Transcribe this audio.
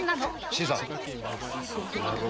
新さんこの野郎。